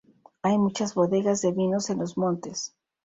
Hay muchas bodegas de vinos en los montes.